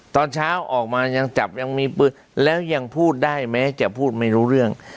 ตอนเช้าออกมายังจับยังมีปืนแล้วยังพูดได้แม้จะพูดไม่รู้เรื่อง